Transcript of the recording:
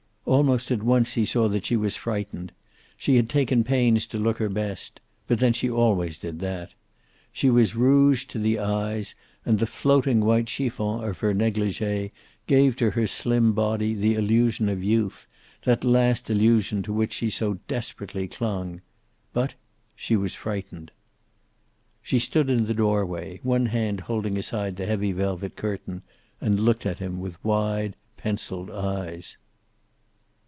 Almost at once he saw that she was frightened. She had taken pains to look her best but then she always did that. She was rouged to the eyes, and the floating white chiffon of her negligee gave to her slim body the illusion of youth, that last illusion to which she so desperately clung. But she was frightened. She stood in the doorway, one hand holding aside the heavy velvet curtain, and looked at him with wide, penciled eyes.